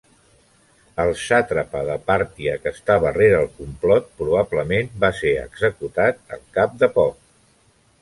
El sàtrapa de Pàrtia que estava rere el complot, probablement va ser executat al cap de poc.